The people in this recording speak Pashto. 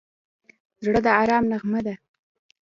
زړه د ارام نغمه ده.